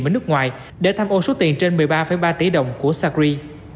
ở nước ngoài để tham ô số tiền trên một mươi ba ba tỷ đồng của sacri